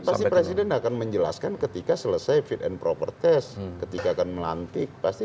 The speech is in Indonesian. pasti presiden akan menjelaskan ketika selesai fit and proper test ketika akan melantik pasti